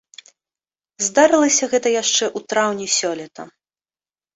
Здарылася гэта яшчэ ў траўні сёлета.